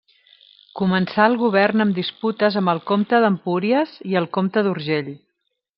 Començà el govern amb disputes amb el comte d'Empúries i el comte d'Urgell.